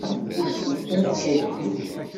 Ur asen-ttarraɣ tajmilt.